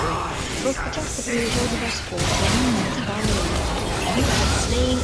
Проста часта прыязджаў да бацькоў, яны ў мяне сталыя людзі.